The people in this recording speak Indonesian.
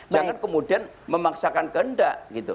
jangan kemudian memaksakan kendak